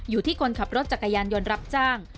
อยู่ที่คนขับรถจักรยานยนต์รับจ้าง